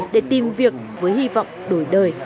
để tìm việc với hy vọng đổi đời